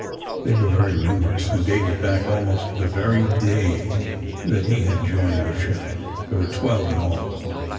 They were very numerous, and dated back almost to the very day that he had joined the ship. There were twelve in all.